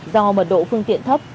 do mật độ phương tiện thấp